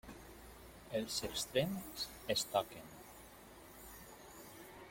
Els extrems es toquen.